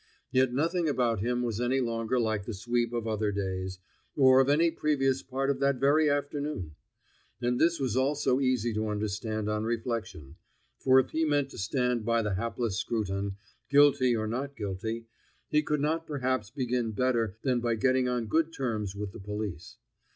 Yet nothing about him was any longer like the Sweep of other days, or of any previous part of that very afternoon. And this was also easy to understand on reflection; for if he meant to stand by the hapless Scruton, guilty or not guilty, he could not perhaps begin better than by getting on good terms with the police.